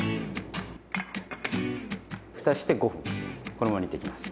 ふたして５分このまま煮ていきます。